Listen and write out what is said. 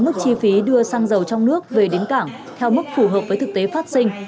mức chi phí đưa xăng dầu trong nước về đến cảng theo mức phù hợp với thực tế phát sinh